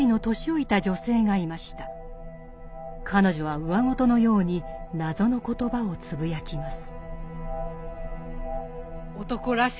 彼女はうわごとのように謎の言葉をつぶやきます。